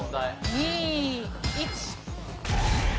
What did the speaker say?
２１。